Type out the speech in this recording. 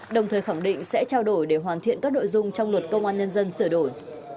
đồng thời khẳng định sẽ trao đổi để hoàn thiện các nội dung trong luật công an nhân dân sửa đổi